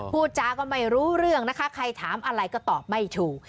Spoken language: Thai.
พูดจาก็ไม่รู้เรื่องนะคะใครถามอะไรก็ตอบไม่ถูก